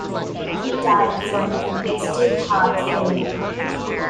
He died from congestive heart failure.